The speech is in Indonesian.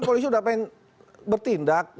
polisi udah pengen bertindak